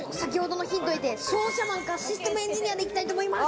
商社マンかシステムエンジニアでいきたいと思います。